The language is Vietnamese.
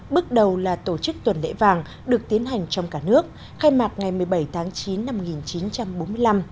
bước đầu là tổ chức tuần lễ vàng được tiến hành trong cả nước khai mạc ngày một mươi bảy tháng chín năm một nghìn chín trăm bốn mươi năm